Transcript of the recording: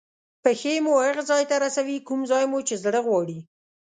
پښې مو هغه ځای ته رسوي کوم ځای مو چې زړه غواړي.